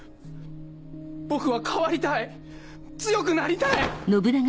僕は変わりたい強くなりたい！